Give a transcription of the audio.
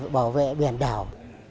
bảo vệ biển đảo